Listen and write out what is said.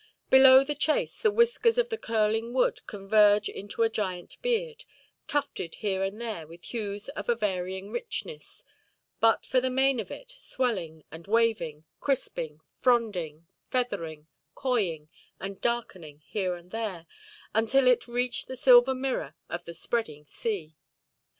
Below the chase the whiskers of the curling wood converge into a giant beard, tufted here and there with hues of a varying richness; but for the main of it, swelling and waving, crisping, fronding, feathering, coying, and darkening here and there, until it reach the silver mirror of the spreading sea.